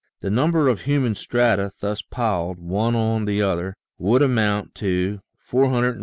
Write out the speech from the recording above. The num ber of human strata thus piled, one on the other, would amount to 460,790,000,000,000.